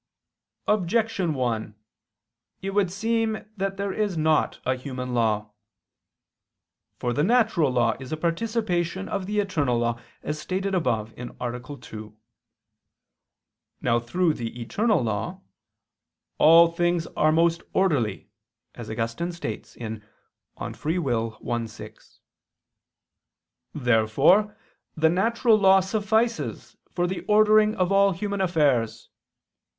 Objection 1: It would seem that there is not a human law. For the natural law is a participation of the eternal law, as stated above (A. 2). Now through the eternal law "all things are most orderly," as Augustine states (De Lib. Arb. i, 6). Therefore the natural law suffices for the ordering of all human affairs.